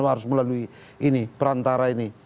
harus melalui ini perantara ini